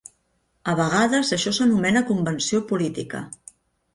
A vegades això s'anomena convenció política.